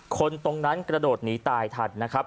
คนตรงนั้นกระโดดหนีตายทันนะครับ